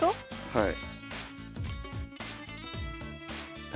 はい。